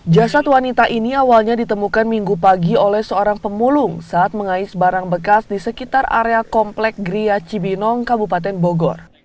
jasad wanita ini awalnya ditemukan minggu pagi oleh seorang pemulung saat mengais barang bekas di sekitar area komplek gria cibinong kabupaten bogor